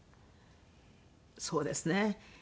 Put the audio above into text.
そうですね。